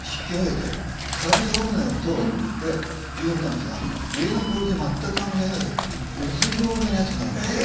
これ重要なことなんですが家の構造に全く関係なくうつ病になりやすくなるんですよ。